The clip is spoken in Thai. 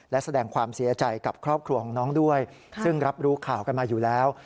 และแสดงความเสียใจกับครอบครัวของน้องด้วยซึ่งรับรู้ข่าวกันมาอยู่แล้ว